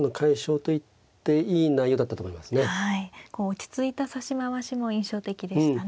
落ち着いた指し回しも印象的でしたね。